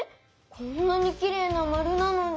こんなにきれいなまるなのに？